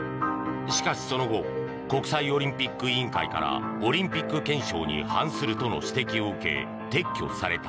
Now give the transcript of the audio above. しかし、その後国際オリンピックからオリンピック憲章に反するとの指摘を受け撤去された。